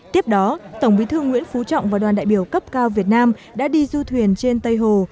tiếp đó tổng bí thư nguyễn phú trọng và đoàn đại biểu cấp cao việt nam đã đi du thuyền trên tây hồ